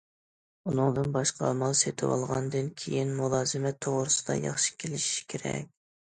ئۇنىڭدىن باشقا مال سېتىۋالغاندىن كېيىنكى مۇلازىمەت توغرىسىدا ياخشى كېلىشىش كېرەك.